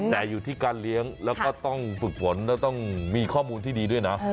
แต่อยู่ที่การเลี้ยงแล้วก็ต้องฝึกฝนแล้วต้องมีข้อมูลที่ดีด้วยนะ